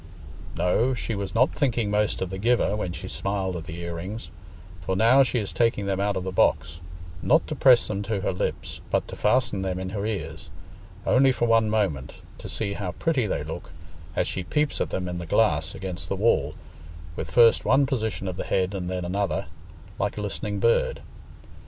No, she was not thinking most of the giver when she smiled at the ear rings, for now she is taking them out of the box, not to press them to her lips, but to fasten them in her ears—only for one moment, to see how pretty they look, as she peeps at them in the glass against the wall, with first one position of the head and then another, like a listening bird.